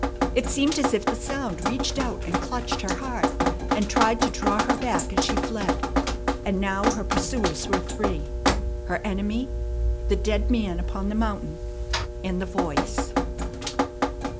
It seemed as if the sound reached out and clutched her heart, and tried to draw her back as she fled. And now her pursuers were three: her enemy, the dead man upon the mountain, and the voice.